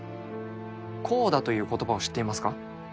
コーダという言葉を知っていますか？